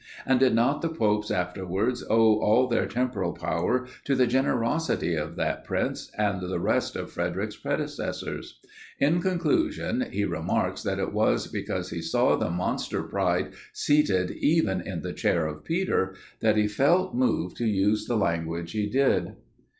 and did not the popes afterwards owe all their temporal power to the generosity of that prince, and the rest of Frederic's predecessors? In conclusion, he remarks that it was because he saw the monster pride seated even in the chair of Peter, that he felt moved to use the language he did.